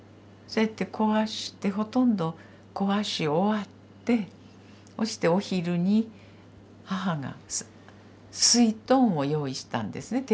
そうやって壊してほとんど壊し終わってそしてお昼に母がすいとんを用意したんですね。